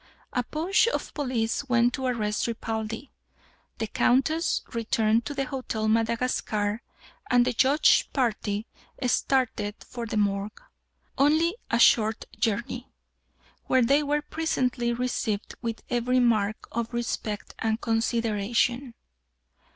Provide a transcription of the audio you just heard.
A posse of police went to arrest Ripaldi; the Countess returned to the Hotel Madagascar; and the Judge's party started for the Morgue, only a short journey, where they were presently received with every mark of respect and consideration.